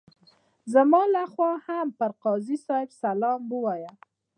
زما لخوا هم پر قاضي صاحب سلام ووایه.